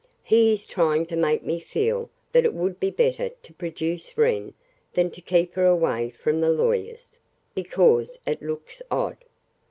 "He is trying to make me feel that it would be better to produce Wren than to keep her away from the lawyers, because it looks 'odd.'